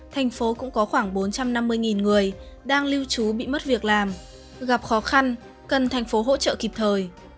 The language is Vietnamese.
tp hcm cũng có khoảng bốn trăm năm mươi người đang lưu trú bị mất việc làm gặp khó khăn cần tp hcm hỗ trợ kịp thời